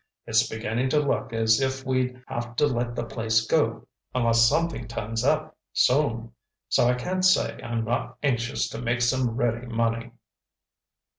It's beginning to look as if we'd have to let the place go unless something turns up soon. So I can't say I'm not anxious to make some ready money."